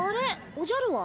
おじゃるは？